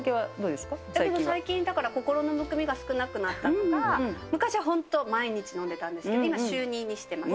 私は最近、心のむくみが少なくなったのか、昔は本当、毎日飲んでたんですけど、今は週２にしてます。